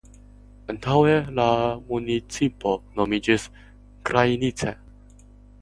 Antaŭe la municipo nomiĝis "Krajnice".